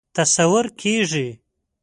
تصور کېږي.